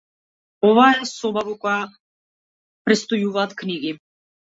Ова е соба во која престојуваат книги.